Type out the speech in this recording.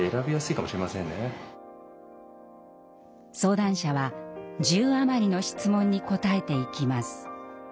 相談者は１０余りの質問に答えていきます。